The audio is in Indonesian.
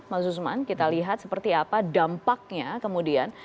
mas usman kita lihat seperti apa dampaknya kemudian